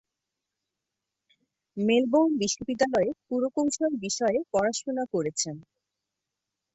Melbourne বিশ্ববিদ্যালয়ে পুরকৌশল বিষয়ে পড়াশুনো করেছেন।